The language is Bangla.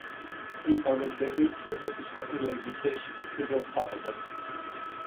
এই মানবদেহেই উন্নতিসাধনের বিশেষ সুযোগ পাওয়া যায়।